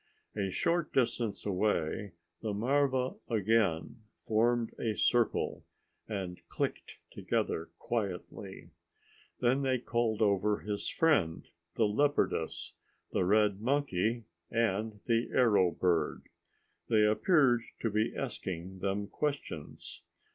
A short distance away the marva again formed a circle and clicked together quietly. Then they called over his friend, the leopardess, the red monkey and the arrow bird. They appeared to be asking them questions.